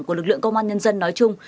của lực lượng công an nhân dân nói chung